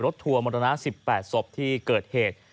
ทัวร์มรณะ๑๘ศพที่เกิดเหตุ